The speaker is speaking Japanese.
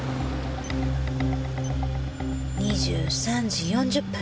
２３時４０分。